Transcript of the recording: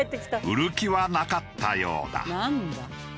売る気はなかったようだ。